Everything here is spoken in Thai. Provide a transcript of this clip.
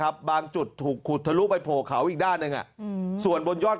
บางจุดถูกขุดทะลุไปโผล่เขาอีกด้านหนึ่งส่วนบนยอด